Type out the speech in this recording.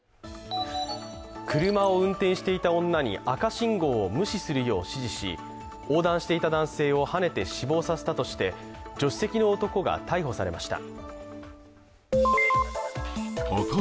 車を運転していた女に赤信号を無視するよう指示し、横断していた男性をはねて死亡させたとして、助手席の男が逮捕されました。